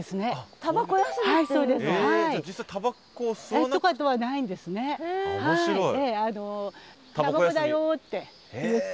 「たばこだよ」って言って。